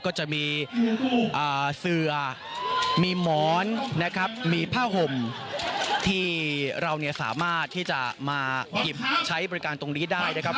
ก็จะมีเสือมีหมอนนะครับมีผ้าห่มที่เราสามารถที่จะมาหยิบใช้บริการตรงนี้ได้นะครับ